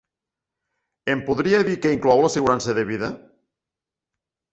Em podria dir que inclou l'assegurança de vida?